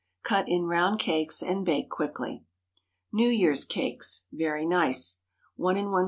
Cut in round cakes and bake quickly. NEW YEAR'S CAKES. (Very nice.) ✠ 1¼ lb.